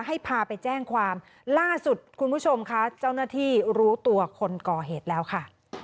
ให้พาไปแจ้งความล่าสุดคุณผู้ชมค่ะเจ้าหน้าที่รู้ตัวคนก่อเหตุแล้วค่ะ